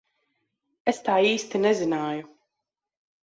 Es tā īsti nezināju.